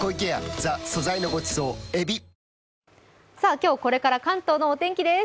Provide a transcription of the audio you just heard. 今日これからの関東のお天気です。